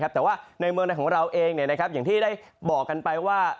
แต่ว่าในเมืองในของเราเองอย่างที่ได้บอกกันไปว่า